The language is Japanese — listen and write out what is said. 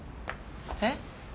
えっ？